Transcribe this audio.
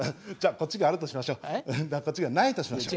こっちがないとしましょう。